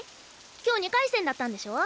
今日２回戦だったんでしょ？